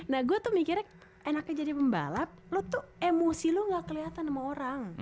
nah gue tuh mikirnya enaknya jadi pembalap lo tuh emosi lo gak keliatan sama orang